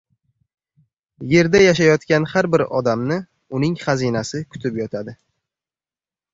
Erda yashayotgan har bir odamni uning hazinasi kutib yotadi.